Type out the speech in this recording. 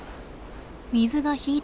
水が引いた